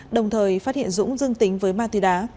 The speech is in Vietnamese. đồng thời phát hiện dũng dưng tính với ma tùy đá